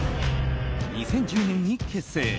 ２０１０年に結成。